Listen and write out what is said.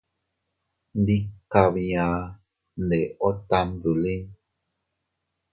Ndika bia, ndeeo tam dolin.